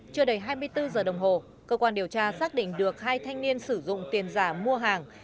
chưa đầy hai mươi bốn giờ đồng hồ cơ quan điều tra xác định được hai thanh niên sử dụng tiền giả mua hàng